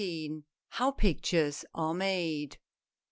HOW PICTURES ARE MADE.